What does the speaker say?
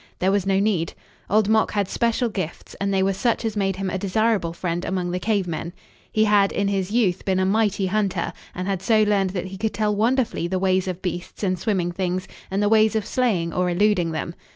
There was no need. Old Mok had special gifts, and they were such as made him a desirable friend among the cave men. He had, in his youth, been a mighty hunter and had so learned that he could tell wonderfully the ways of beasts and swimming things and the ways of slaying or eluding them.